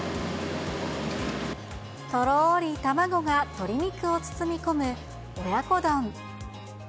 とろーり卵が鶏肉を包み込む親子丼。